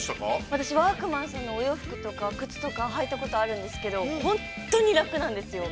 ◆私ワークマンさんのお洋服とか、靴とか履いたことあるんですけど本当に楽なんですよ。